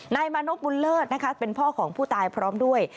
นายมานพบุญเลิศนะคะเป็นพ่อของผู้ตายพร้อมด้วย